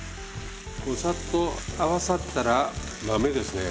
さっと合わさったら豆ですね。